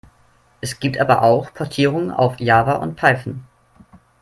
Es gibt aber auch Portierungen auf Java und Python.